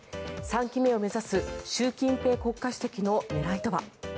３期目を目指す習近平国家主席の狙いとは。